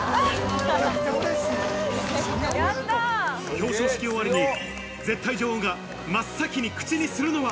表彰式終わりに絶対女王が真っ先に口にするのは。